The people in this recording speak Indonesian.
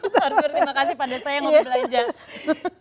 terima kasih pak desa yang ngomong belajar